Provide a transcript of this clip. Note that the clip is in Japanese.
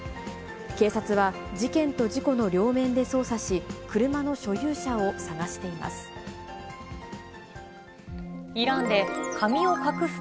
警察は事件と事故の両面で捜査し、車の所有者を捜しています。